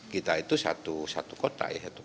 kita itu satu kota ya